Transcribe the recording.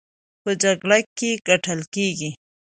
په جګړه کې ګټل کېږي،